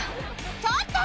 ちょっと！